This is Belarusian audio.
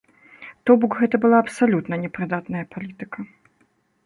То бок гэта была абсалютна непрыдатная палітыка.